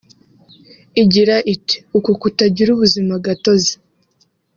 Igira iti “Uku kutagira ubuzima gatozi